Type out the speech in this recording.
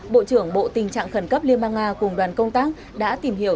bộ trưởng bộ tình trạng khẩn cấp liên bang nga cùng đoàn công tác đã tìm hiểu